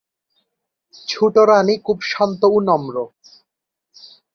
ছোট রানী খুব শান্ত ও নম্র।